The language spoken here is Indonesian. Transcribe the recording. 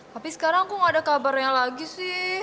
tapi sekarang aku gak ada kabarnya lagi sih